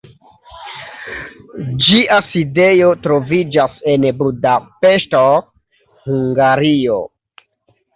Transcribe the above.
Ĝia sidejo troviĝas en Budapeŝto, Hungario.